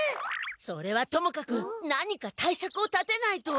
それはともかく何かたいさくを立てないと。